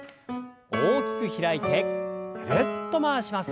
大きく開いてぐるっと回します。